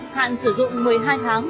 hạn sử dụng một mươi hai tháng